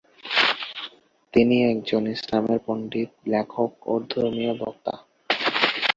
তিনি একজন ইসলামের পণ্ডিত, লেখক ও ধর্মীয় বক্তা।